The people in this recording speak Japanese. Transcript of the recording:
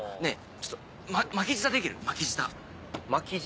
ちょっと巻き舌できる？巻き舌。巻き舌？